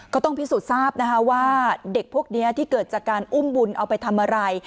ก็ต้องพิสูจน์ทราบนะคะว่าเด็กพวกนี้ที่เกิดจากการอุ้มบุญเอาไปทำอะไร